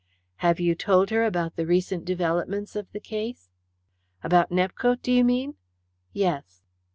"Have you told her about the recent developments of the case?" "About Nepcote, do you mean?" "Yes."